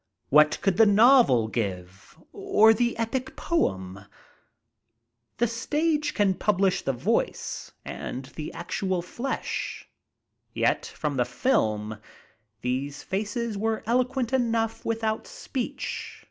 "What could the novel give? or the epic poem'.'" The Btage can publish the voice and the actual flesh; yet from the flhn these facts were eloquent enough without speech.